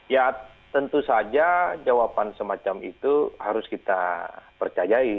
ya tentu saja jawaban semacam itu harus kita percayai